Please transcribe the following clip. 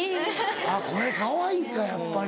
これかわいいかやっぱり。